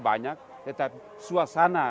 banyak tetapi suasana